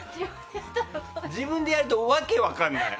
自分でやると訳分からない。